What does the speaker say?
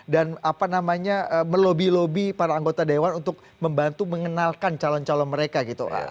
dan melobi lobi para anggota dewan untuk membantu mengenalkan calon calon mereka gitu